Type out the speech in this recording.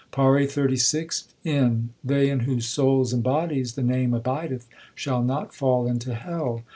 PAURI XXXVI N. They in whose souls and bodies the Name abideth Shall not fall into hell.